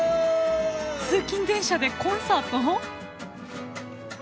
通勤電車でコンサート！？